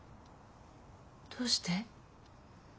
どうして？